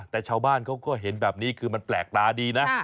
แต่ชาวบ้านเขาก็เห็นแบบนี้คือมันแปลกตาดีนะ